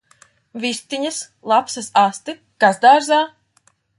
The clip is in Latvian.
Vistiņas! Lapsas asti! Kas dārzā!